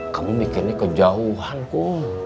kamu mikirnya kejauhanku